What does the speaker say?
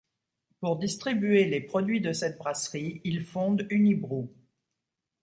Pour distribuer les produits de cette brasserie, ils fondent Unibroue.